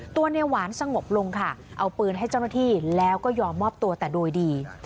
ตัวในหวานสงบลงค่ะเอาปืนให้เจ้าหน้าที่แล้วก็ยอมมอบตัวแต่โดยดี